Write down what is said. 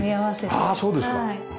ああそうですか。